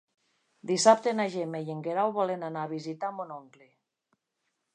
Dissabte na Gemma i en Guerau volen anar a visitar mon oncle.